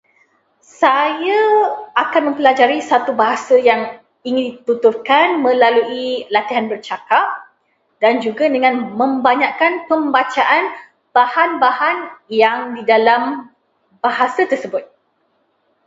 Saya akan mempelajari satu bahasa yang ingin dituturkan melalui latihan bercakap dan juga dengan membanyakkan pembacaan bahan-bahan yang di dalam bahasa tersebut.